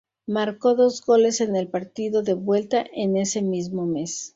Marcó dos goles en el partido de vuelta en ese mismo mes.